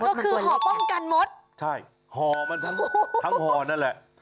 ก็คือห่อป้องกันมดใช่ห่อมันทั้งห่อนั่นแหละ